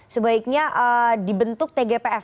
sebaiknya dibentuk tgpf